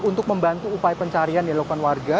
untuk membantu upaya pencarian yang dilakukan warga